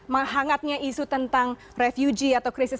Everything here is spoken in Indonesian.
menghangatnya isu tentang refugee atau krisis